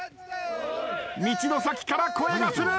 道の先から声がする。